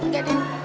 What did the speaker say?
gak ada yang